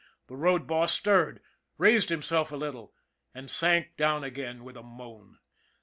The road boss stirred, raised himself a little, and sank down again with a moan.